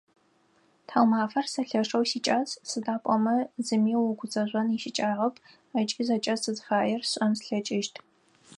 Тхьаумафэр сэ лъэшэу сикӏас, сыда пӏомэ зыми угузэжъон ищыкӏагъэп ыкӏи зэкӏэ сызыфаер сшӏэн слъэкӏыщт.